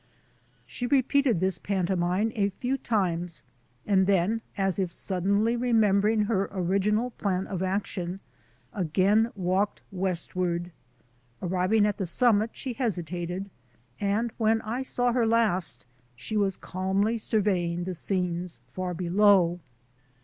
She repeated this pantomime a few times, and then, as if suddenly remembering her original plan of action, again walked westward. Arriving at the summit she hesitated, and when I saw her last she was calmly surveying the scenes far below.